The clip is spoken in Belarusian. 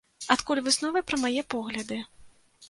Адкуль высновы пра мае погляды?